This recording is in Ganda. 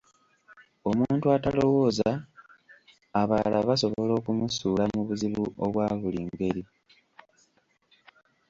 Omuntu atalowooza, abalala basobola okumusuula mu buzibu obwa buli ngeri.